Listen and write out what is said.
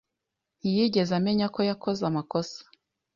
ntiyigeze amenya ko yakoze amakosa.